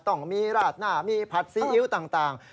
ต้องมีราดหน้ามีผัดซีอิ๊วต่าง